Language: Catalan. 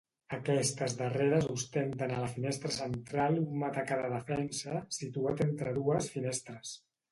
Aquestes darreres ostenten a la finestra central un matacà de defensa, situat entre dues finestres.